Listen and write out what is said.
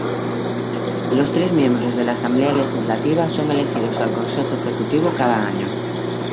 Los tres miembros de la Asamblea Legislativa son elegidos al Consejo Ejecutivo cada año.